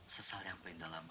sesal yang berindah lama